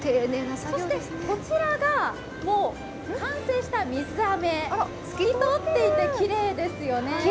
そしてこちらが完成した水あめ、透き通っていてきれいですよね。